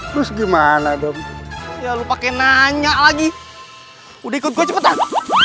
terus gimana dong ya lo pakai nanya lagi udah ikut gue cepetan